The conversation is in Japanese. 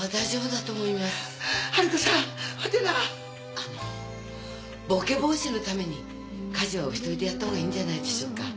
あのボケ防止のために家事はお一人でやったほうがいいんじゃないでしょうか？